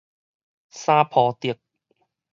三抱竹